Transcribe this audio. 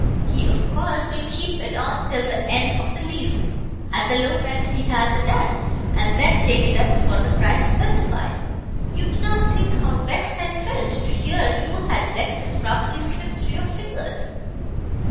He, of course, will keep it on till the end of the lease, at the low rent he has it at, and then take it up for the price specified. You cannot think how vexed I felt to hear you had let this property slip through your fingers."